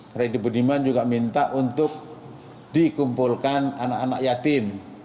freddy budiman juga minta untuk dikumpulkan anak anak yatim